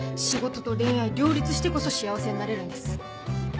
仕事と恋愛両立してこそ幸せになれるんです。